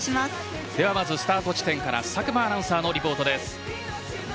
スタート地点から佐久間アナウンサーのリポートです。